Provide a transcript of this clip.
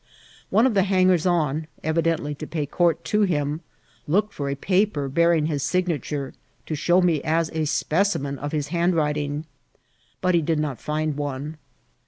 One of the hangers on, evidently to pay court to hinii looked for a paper bearing his signature to show me as a specimen of his handwriting, but did not find one.